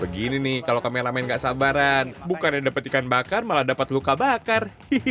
begini nih kalau kameramen gak sabaran bukannya dapat ikan bakar malah dapat luka bakar